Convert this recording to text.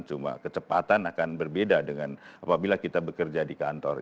cuma kecepatan akan berbeda dengan apabila kita bekerja di kantor